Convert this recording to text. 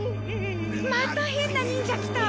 また変な忍者来た！